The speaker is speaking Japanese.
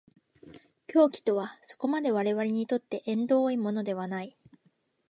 狂気とはそこまで我々にとって縁遠いものではない。